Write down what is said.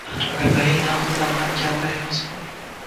اگر کہیں نہ خداوند، کیا کہیں اُس کو؟